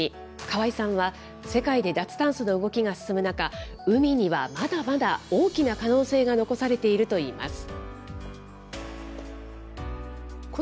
川井さんは、世界で脱炭素の動きが進む中、海にはまだまだ大きな可能性が残されているといいます。